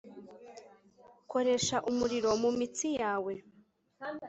koresha umuriro mumitsi yawe